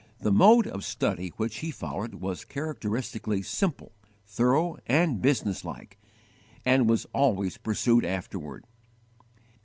The mode of study which he followed was characteristically simple, thorough, and business like, and was always pursued afterward.